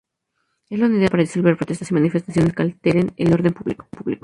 Es la unidad designada para disolver protestas y manifestaciones que alteren el orden público.